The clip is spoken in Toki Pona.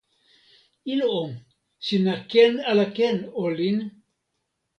ilo o, sina ken ala ken olin?